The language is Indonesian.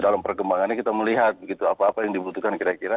dalam perkembangannya kita melihat begitu apa apa yang dibutuhkan kira kira